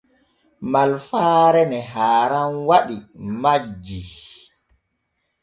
Malfaare ne haaran waɗi majjii.